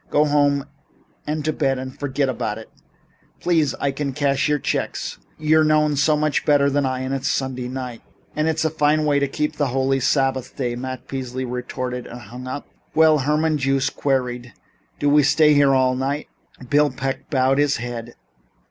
Go home and to bed and forget it." "Please. You can cash your checks. You're known so much better than I, and it's Sunday night " "And it's a fine way to keep holy the Sabbath day," Matt Peasley retorted and hung up. "Well," Herman Joost queried, "do we stay here all night?" Bill Peck bowed his head.